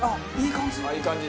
いい感じ。